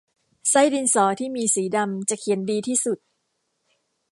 ไส้ดินสอที่มีสีดำจะเขียนดีที่สุด